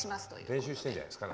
練習してるんじゃないですか？